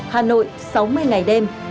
hà nội sáu mươi ngày đêm